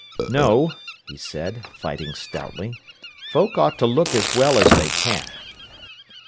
"No," he said, fighting stoutly. "Folk ought to look as well as they can."